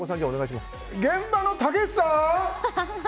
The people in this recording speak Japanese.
現場のたけしさん！